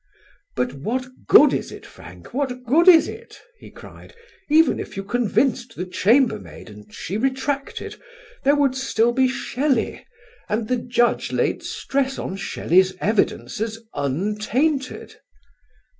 "But what good is it, Frank, what good is it?" he cried. "Even if you convinced the chambermaid and she retracted; there would still be Shelley, and the Judge laid stress on Shelley's evidence as untainted."